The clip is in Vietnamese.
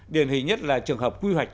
điển hình nhất là trường hợp quy hoạch